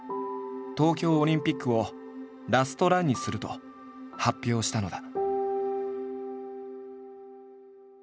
東京オリンピックをラストランにすると発表したのだ。